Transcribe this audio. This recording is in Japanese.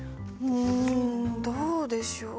んどうでしょう。